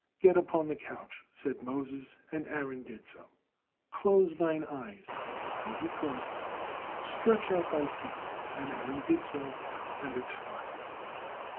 "Get upon the couch," said Moses, and Aaron did so. "Close thine eyes," and he closed them. "Stretch out thy feet," and Aaron did so, and expired.